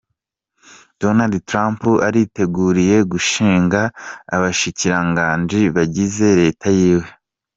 Donald Trump ariteguriye gushinga abashikiranganji bagize reta yiwe.